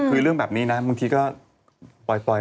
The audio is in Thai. เพิ่งอย่างน้อยอาจมองแล้ว